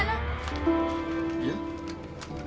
dara aku mau tidur